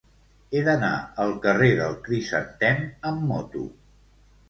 He d'anar al carrer del Crisantem amb moto.